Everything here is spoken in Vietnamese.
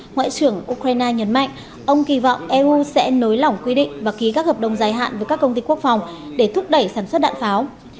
ngoại trưởng ukraine nhấn mạnh ông kỳ vọng eu sẽ nối lỏng quy định và ký các hợp đồng dài hạn với các công ty quốc phòng để thúc đẩy sản xuất đạn pháo